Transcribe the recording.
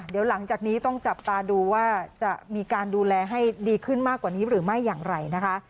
เดี๋ยวหลังจากนี้ต้องจับตาดูว่าจะมีการดูแลให้ดีขึ้นมากกว่านี้หรือไม่อย่างไรนะคะ